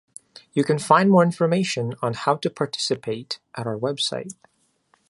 You can find more information on how to participate at our website.